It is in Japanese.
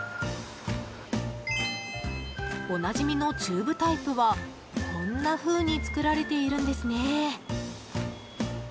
おなじみのチューブタイプはこんなふうに作られているんですね。